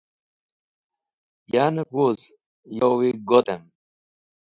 Yanep wuz yowi got’em.